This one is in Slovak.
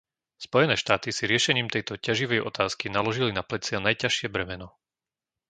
Spojené štáty si riešením tejto ťaživej otázky naložili na plecia najťažšie bremeno.